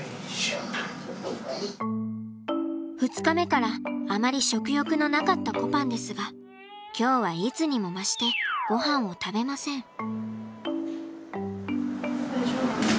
２日目からあまり食欲のなかったこぱんですが今日はいつにも増してごはんを食べません。